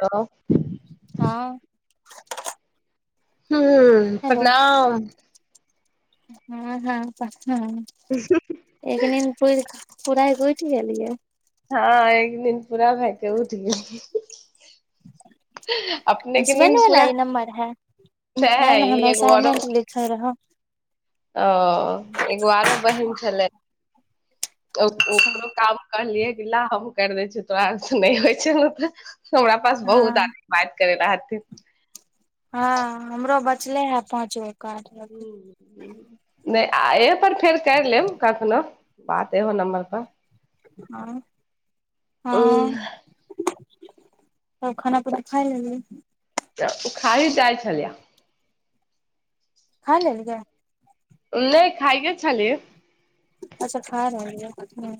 कह हँ हू हेलो प्रणाम हँ हँ हँ एक निन पुरि परा ह गठि गेलियै हँ एक निन पूरा भके उठ गेल हसबेंड वाला ई नम्बर है नहि नहि ई हम एगो आरो असाइनमेंट लिखल रहं ओ एगो आरो बहीन छलै त ओकरो काम करलियए गा हम कर दै छ तो आर से नहि होइ छै ने तऽ हमरि पास बहुत हँ आर बात करेनहार छै हँ हमरो बचले है पहुँचबै [inaudible] नहि आ पर फेर कर लेब कखनो बात एहो नम्बर पर हँ हँ त खाना पीना खइ लब तऽ ओ खाइी जाइ छलियै खा लेलियै नहि खइये छली अच्छा खारहल ह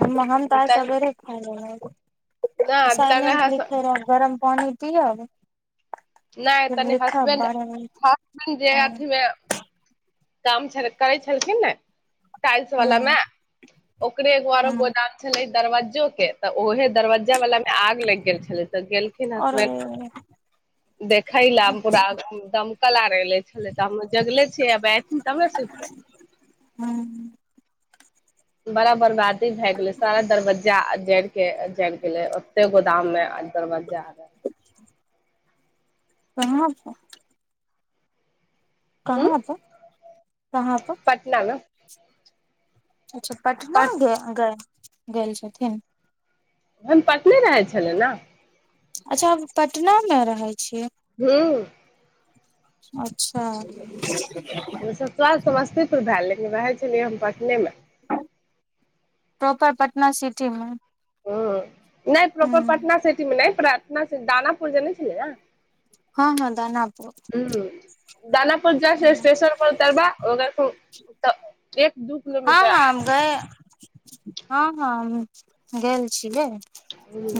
हम मह हम तास तऽ वगरे ख नहि असाइनमेंट तऽ लिखे रह गरम कोन ए द आउ नहि तनी हसबेंड बजे हसब जेहाथ मे काम छल करै छलखिन ने टाइल्स वाला मे हँ ओकरे एगो आरो हँ गोदाम छलै दरवज्जो के तऽ ओहे दरवज्जा वाला मे आग लगि गेल छले तऽ गेलखिन आओर हसबेंड देखै लए पूरा दमकल आर एले छले त हम जगले छियै तब ने सुतबै हं बड़ा बर्बादी भए गेलै सारा दरवज्जा जड़ के जरि गेलै ओते गोदाम मे दरवज्जा आर कहाँ उं कहाँ त कहाँ तक पटना मे अच्छा पटना पट ग गए गेल छथिन हम पटने रहै छलै ने अच्छा पटना मे रहै छियै हँ अच्छा भए लेकिन वएह छलियै हम पटने मे प्रॉपर पटना सिटी मे ह नहि प्रोपर पटना सिटीमे नहि प्र्थना दानापुर जने छै ने हँ हँ दानापुर ह दानापुर जा छै स्टेशन पर उतरब ओर तऽ एक दू हँ किलोमीटर आगे। हँ ग‌ए हँ हँ गेलल छे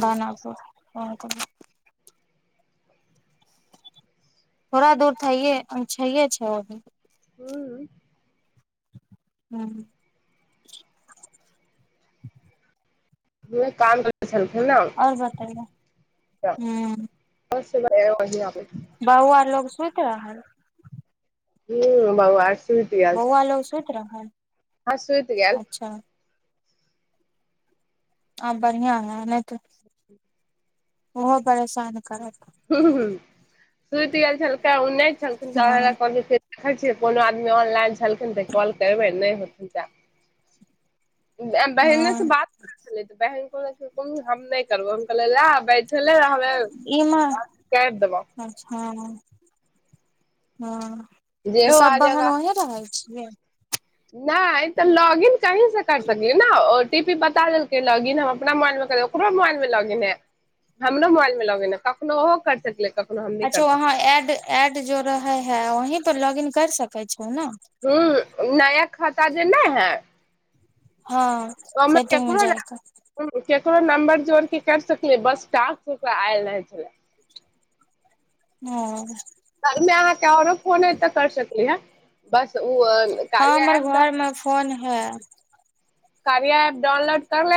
दानापुर ह क थड़ा दूर इए अ छैइ छै ओ भ हू ह्म ह काम कर ह ने और बतैयौ त अहीै बउ आ लोकोग सुत रहल ह ह ब‌उ आ सुति गेल छै बौआ लोग सुति रहल हँ सुइत गेल अच्छा आ बढ़िया ह नहि त ओहो परेशान कर ह सुति गेल छल जा हँ क देखै छियै कोनो आदमी ऑनलाइन छलखिन तऽ कॉल करबै नहि होथिन त बहिने हँ से बात करै छलै तऽ बहन हम नहि करबौ हम कहल लेब बैठले इमे रहबे अच्छा हँ तऽ जेहो सब आ बहन जाएगा ओहें रहै छै ह नहि तऽ लॉगन कहीसँ कर सकलियै ने ओ टी पी बता देलकै लॉगन हम अपना मोबाइलमे ओकरो मोबाइलमे लॉगन है हमरो मोबाइलमे लॉगन है कखनो ओहो कर सकलियै कख अच्छा वहाँ एड एड जो रहै हय वहीं पर लग कर सकैत छै ह नया ख ता जे नहि है हँ ओहिमे सेटिंगमेज केकरो क नम्बर जोर के कर सकलियै बस टाककरा आयल रह छल हू कलमे अहाँके आओरो फोन अ तऽ कर सकली हे बस ओ हँ कार्या हमर ऐप डाउ घरमे फोन है कार्या एप डाउनलोड कर ले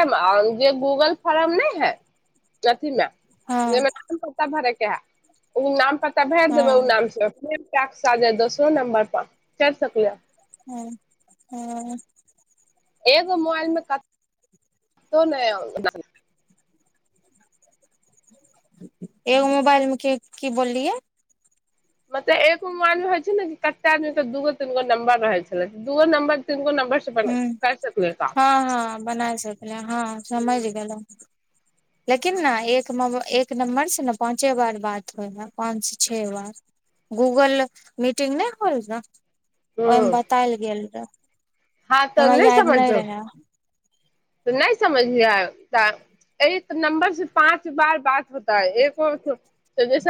जे गूगल फोर्म नहि हय अथिमे हँ काम पता भर ओ नाम पता भए देबै ओ हँ नामसँ पर दोसरो नंबर पर च सकलिय हँ हँ एगो मोबाइल मे नहि ए गो मोबाइल में की बोलियए मतलब एको मोबाइल मे होइ छै ने कते आदमीे दूगो तीन गो नंबर रहै छलै दूो नंबर तीनगो नंबर हूँ कर सकल क हँ हँ बनाय सकले हँ समझ गेलौ लेकिन ने एक एक नम्बरसँ ने पाँचे बार बात होइ हा पाँचसँ छओ बार गूगल मीटिंग नहि होल ग ओहिमे हूँ बतायल गेल रह हँ त नहि समझजो तऽ नहि समझ नहिता नंबर से पाँच बार बात होताै एक जैस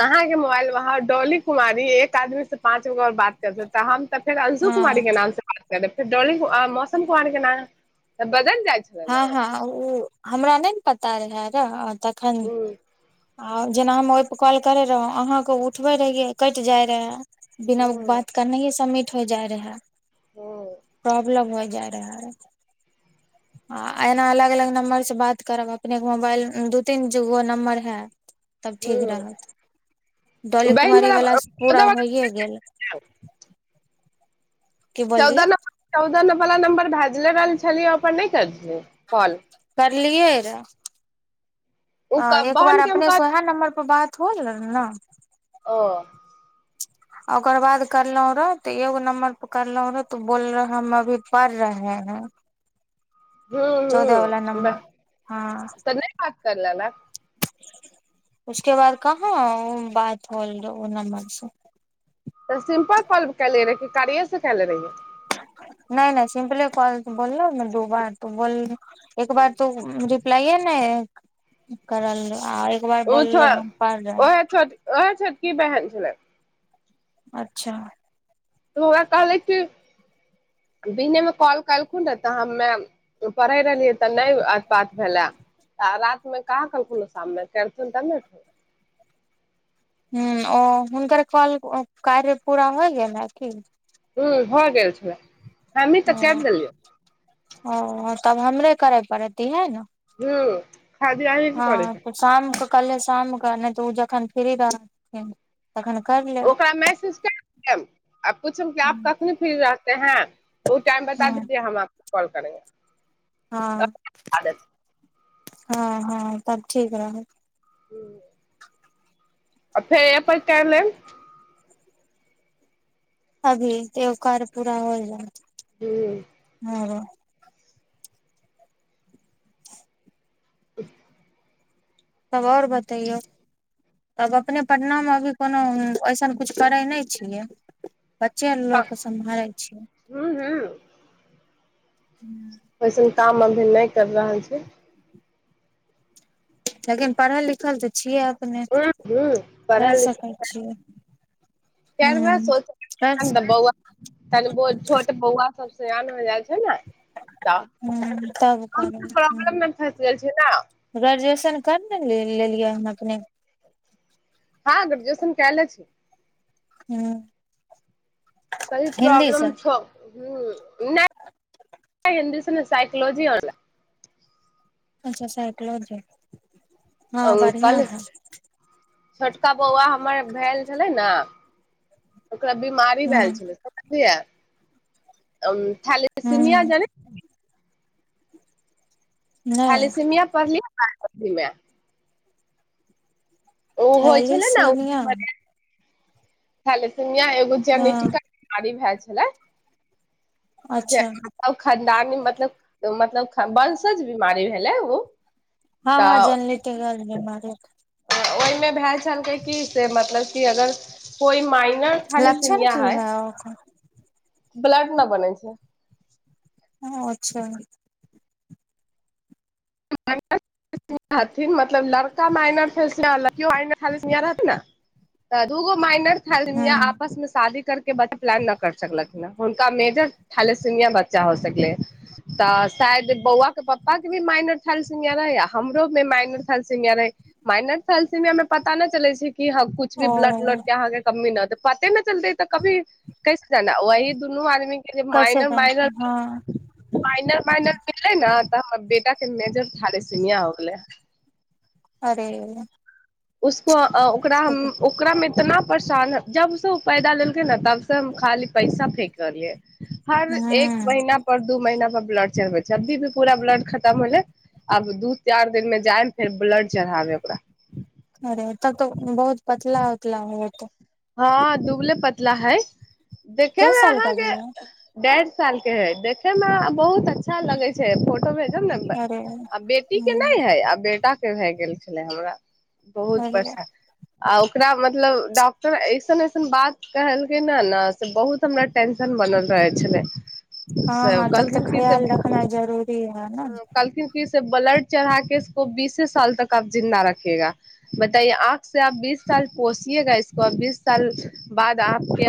अहाँके मोबाइल वाँ डोली कुमारी एक आदमी से पाँच गो बात कर स त हम त फेर अंशु कुमारी हँ के नाम से बात फेर ली मौसम कुमारी के तऽ बदल हँ हँ हमरा नहि ने पता रहै र तऽखन हूँ आ जेना हम ओहिप कॉल करे रहौ अहाँके उठबे रहियै कटि जाय रहे बिना हूँ बात करने ह सबमीट हो जाय रहै हूँ प्रॉब्लम हो जाय आ एऐना अलग अलग नम्बर से बात करब अपने के मोबाइल दू तीनगो नम्बर है तब ठीक हूँ रहत डोली बहिन कुमारी वला वलास पूरा चौदह वला होइए गेल की बोललियै चौदह न चौदह नंबर भए ल छलियै ओ अपन नहि करियै कॉल करलियै रऽ ओ ह एक बहन बार के हम अपने से कहलियै ओहे नंबर पर बात ोल न ओ आ ओकर बाद करलहुं रहो तऽ एगो नम्बर पर करलहु रहो तो बोल रहे हम अभी पढ़ रहे हैं हू हू चौदह वाला ब नम्बर हँ तने बात करलेले ने उसके बाद कहाँ बात होल नम्बर से तऽ सिम्पल काल के ले रहै कार्या से के ले रहहियै नहि नहि सिम्पल कौल बोलौ न दू बार उ बोललै एक बार तू रिप्लाइ नहि ओ करराल ओ छ ओह छ ओह छ की बैहन छलै अच्छा तऽ ओकरा कहलै कि दिनेमे कॉल कलखुन तऽ हमे पढ़ै रहलियै तऽ नहि बात भेलै आ राततिमे कहाँ कहलखुन शाममे करथुन तब ने ह ओ हुनकर कौल कार्य पूरा होइ गेल की ह भ गेल छलै हमही तऽ ओ कैर देलियै ओ तब हमरे करे पड़ती है ने ह खादी अहींके कड़ै के कालहि शाम क नहि तऽ ओ जखन फ्री रहथिन तखन करि लेब ओकरा मैसेज आ पूछम आप कखनी फिरीरह ते है ओ टाइम बता हँ दीजिय हम कौल करेंगे तब हँ बता देत हँ हँ तब ठीक रह हू अ फेर क लेब अभी त ओ कार्य पूरा हो जा ओ ह ह तब आओर बतैयौ तब अपने पटनामे अभी कोनो अइसन किछु करै नहि छियै बच्चे लोक सम्हारै छै बस काम अभी नहि कर रहल छी लेकिन पढ़ल लिखल तऽ छियै आब अपने ह ह कर सकै छियै करबै हूँ सोच कर बौआ तन बहुत छोट बौआ सब सेयान हो जाइ छै ने त हूँ तब घरकें करबै हूँ प्रॉब्लम मेफंस गेल छी ने त न कर नेे लेलियै हन अपने हँ ग्रुजेशन कहले छी हुँ कहलिए प्रॉब्लम छौ हूँ नहि हिन्दी स सइकोलॉजी अनोर्स अच्छा साइकलॉजी हँ ऑनलाइन बढ़िआँ कल है छोटका बौआ हमर भेल छलै ने ओकरा बीमारी ह भेल छलै समझलियै अ [inaudible] खाली सीमिया ह जाने खाली नहि सिमिया पढ़लिय भी मे ओ होइ छलै ने थैलीसीमिया खाय ले से यहाँ एगो हँ जनिटिका कारि भाई छै हेलय अच्छा जय खादी कामिन मतलब मतलब बंसज बीमारी भेलै ओ हँ हँ तऽ जनलेटर आर मे मारे ओहिमे भए जा क़हलकय की से मतलब कि अगर कोइ माइ लक्षन की ह ओकर ब्लड न बनै छै हँ छय कहथिन मतलब लड़का माइनर से लड़कीयो माइनर तऽ दूगो माइनर हलमिया ह आपस मे शादी के बस प्लान नहि कर सकलकिन हन हुनका मेजर थालसिमियां बच्चा हो सकलै ह तऽ शायद बौआ के पप्पा के भी माइनर थालसिमिया रहै आ हमरो मे माइनर थालसिमिया रहै माइनर थालसिमिया मे पता नहि चलै छै कि हँ कुछ भी ब्लड उल्ड ओ के अहाँके कमी न दे पते न चलतेै तऽ कभी कैसे जाना आ वही दुनू आदमी कैसे माइनर जानते माइनर हँ माइनर माइनर मिलै न बा हमर बेटा मेजर थालसिमियां हो गेलै अरे उसको अ ओकरा तब त ओकरामे तऽ ना परेशान जब से उ पैदा लेलकै न तब से हम खाली पैसा फेक रहलियै हर एक ह महिना पर दू महिना पर ब्लड चढ़बै छियै जब भी भी पूरा ब्लड खतम होलै आब दू चार दिनमे जाइम फेर ब्लड चढ़ाबे ओकरा अरे तब तऽ बहुत पतला उतला होत हँ दुबले पतला हय कै देखैमे साल का भी अहाँके है डैड साल के हय देखै मे बहुत अच्छा अच्छा लगै छै फोटो भेजब ने अरे आ बेटी के ह नहि है आ बेटा भए गेल छेलै हमरा बहुत अरे परेशान आ ओकरा मतलब डॉक् टर ऐसन ऐसन बात कहलकै नै न से बहुत हमरा टेंशन बनल रहै छलै हँ हँ तब तऽ ख्याल रखनाइ जरूरी हय हँ कहलखिन की से ब्लड चढ़ा के इसको बीसे साल तक जिन्दा रखिएगा बताइए आँख से आप बीस साल पोसियेगा इसको और बीस साल बाद आपके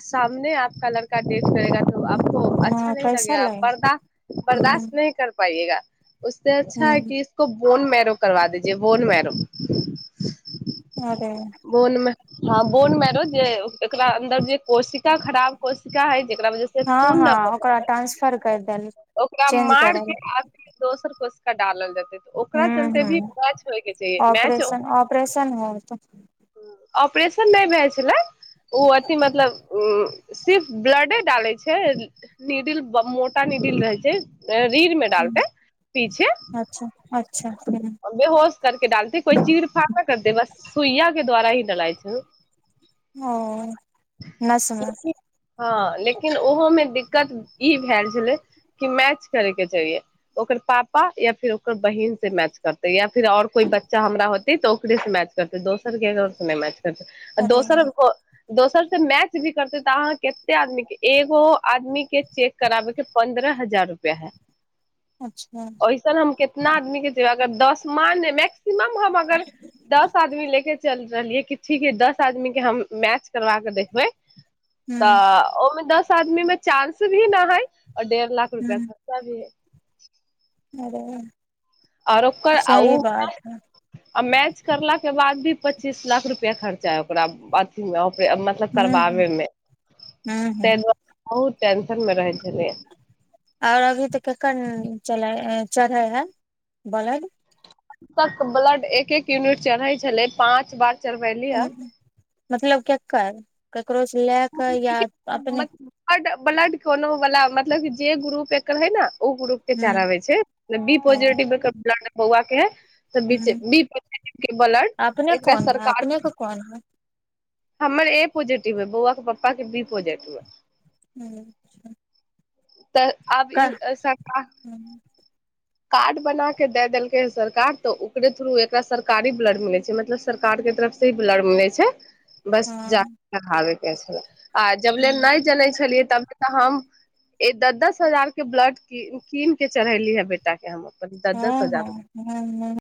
सामने आपका लड़का डेथ करेगा तो आपको अच्छा हँ नहि कैसा लगेगा लग बर्दाश्त ह बर्दाश्त पाइएगा उससे अच्छा ह है कि इसको बोन मैरो करबा दीजे बोन मैरो अरे हम बोनमैरो जे एकरा अन्दर जे कोशिका खराब कोशिका हय हँ हँ ओकरा ट्रांसफर कर देल चेंज मारके करल आत दोसर क्वेश्चन कटा लेल जीतय ह ह मैच ऑपरेशन ऑपरेशन हो त अपरेशन नहि भी हो ओ अथी मतलब उ सिर्फ ब्लडे डाले छै निडिल मोटा निडिल रहय छै रीढ़ मे डालतेै पीछे अच्छा अच्छा हम्म, बेहोश करके डालतेै कोइ चीर फार कर दे बस सुइया के द्वारा ही लड़ाइ छै ओ नस मे हँ लेकिन ओहो में दिक्कत ई भेल छले की मैच करे के चाहिये ओकर पापा या फिर ओकर बहिन से मैच करतै या फिर आओर कोइ बच्चा हमरा होतै तऽ ओकरेसँ मैच करतै दोसरके नहि मैच अरे दोसरको दोसर से मैच भी करते तऽ अहाँ कते आदमी के एगो आदमी के चेक कराबेके पन्द्रह हजार रुपआ है अच्छा ऐसन हम कितना आदमी के जबाक अगर दस म मैक्सिमम हम अगर दस आदमी लेके चलि रहलियै कि ठीक हे दस आदमी के हम मैच करबा क देखबै हूँ तऽ ओमे दस आदमी मे चानंस भी न हय आओर डेढ़ लाख रुपआ खर्चा भी है आरे आओर ओकर आ ऊ आ मैच करला के बाद भी पच्चीस लाख रुपआ खर्चा है ओकरा अथी मे मतलब हूँ करबाबे मे हूँ ताहि दुआरे बहुत टेंशन मे रहैत छै आओर अभी तऽ कखन चला चढ़ए है ब्लड ब तक ब्लड एक एक यूनिट चढ़ै छलै पाँच बार ह मतलब केकर क्रोच लए क या अपने ब्लड ब्लड कोनो वालला मतलब जे ग्रुप एकर है न ओ ग्रु के हूँ चारबै छै बी पॉजिटिवौआ के तऽ हूँ बी परसे के बलड अपने एकरा कोन है सरकार अपने के कोन है हमर ए पॉजिटिव हय बौआ के पप्पाके बी पॉजिटिव हय हँ अच्छा तऽ आब ई एहि सरकार क कार्ड बना कऽ दए देलकै हँ सरकार तऽ ओकरे थ्रू एकरा सरकारी ब्लड मिलै छै मतलब सरकारके तरफसँ ही ब्लड मिलै छै बस जा हँ के चढावे के हय के छै आ जबले नहि जनै छलियै तबले तऽ हम ए दस दस हजार के ब्लड कीन के चढ़ैली ह बेटा टा के हम अप हँ हँ हँ हँ